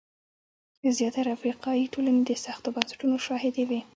زیاتره افریقایي ټولنې د سختو بنسټونو شاهدې وې.